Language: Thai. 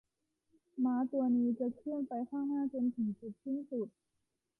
ม้าตัวนี้จะเคลื่อนไปข้างหน้าจนถึงจุดสิ้นสุด